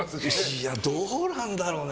いや、どうなんだろうね。